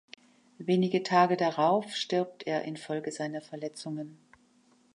Wenige Tage darauf stirbt er infolge seiner Verletzungen.